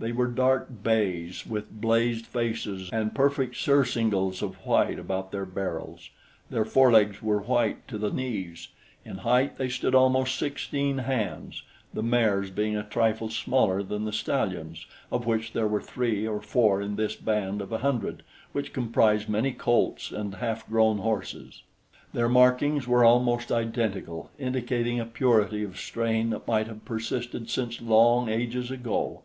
They were dark bays with blazed faces and perfect surcingles of white about their barrels. Their forelegs were white to the knees. In height they stood almost sixteen hands, the mares being a trifle smaller than the stallions, of which there were three or four in this band of a hundred, which comprised many colts and half grown horses. Their markings were almost identical, indicating a purity of strain that might have persisted since long ages ago.